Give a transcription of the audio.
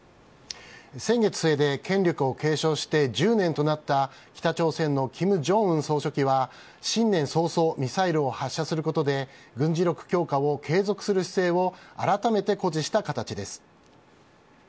先月末で権力を継承して１０年となった、北朝鮮のキム・ジョンウン総書記は、新年早々、ミサイルを発射することで、軍事力強化を継続する姿勢を改めて誇示した形です。